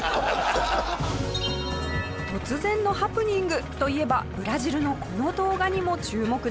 突然のハプニングといえばブラジルのこの動画にも注目です。